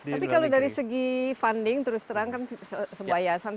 tapi kalau dari segi funding terus terang kan sebuah yayasan